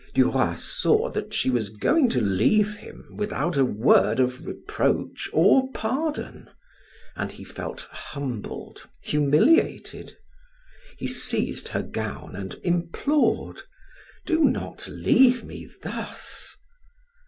Duroy saw that she was going to leave him without a word of reproach or pardon, and he felt humbled, humiliated. He seized her gown and implored: "Do not leave me thus."